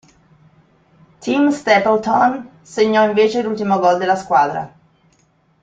Tim Stapleton segnò invece l'ultimo gol della squadra.